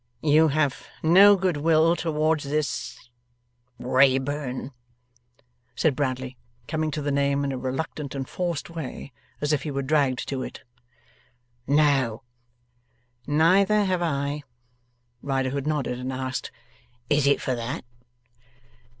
'You have no goodwill towards this Wrayburn,' said Bradley, coming to the name in a reluctant and forced way, as if he were dragged to it. 'No.' 'Neither have I.' Riderhood nodded, and asked: 'Is it for that?